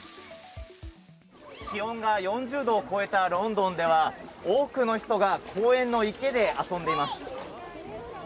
気温が４０度を超えたロンドンでは、多くの人が公園の池で遊んでいます。